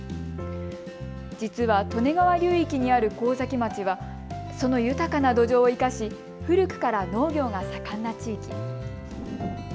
実は利根川流域にある神崎町はその豊かな土壌を生かし古くから農業が盛んな地域。